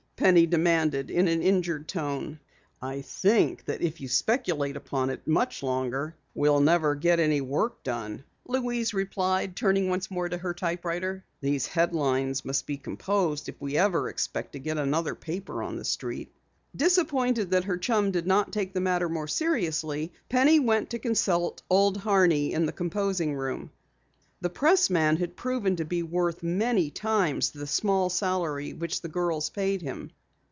Penny demanded in an injured tone. "I think that if you speculate upon it much longer we'll never get any work done," Louise replied, turning once more to her typewriter. "These headlines must be composed if ever we expect to get another paper on the street." Disappointed that her chum did not take the matter more seriously, Penny went to consult Old Horney in the composing room. The pressman had proven to be worth many times the small salary which the girls paid him.